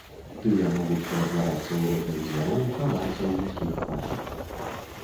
Тыя могуць ператварацца ў розных звяроў, хавацца ў людскіх хатах.